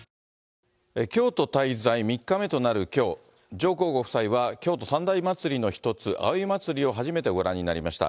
上皇ご夫妻は京都三大祭りの一つ、葵祭を初めてご覧になりました。